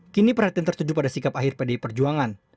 kini perhatian tertuju pada sikap akhir pdi perjuangan